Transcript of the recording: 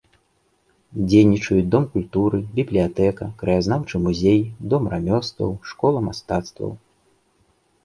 Дзейнічаюць дом культуры, бібліятэка, краязнаўчы музей, дом рамёстваў, школа мастацтваў.